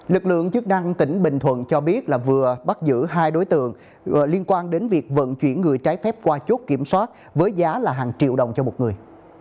lực lượng chức năng tỉnh bình thuận cho biết là vừa bắt giữ hai đối tượng liên quan đến việc vận chuyển người trái phép qua chốt kiểm soát với giá hàng triệu đồng cho một người